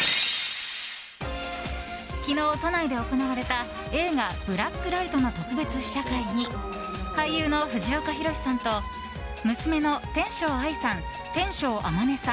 昨日、都内で行われた映画「ブラックライト」の特別試写会に俳優の藤岡弘、さんと娘の天翔愛さん、天翔天音さん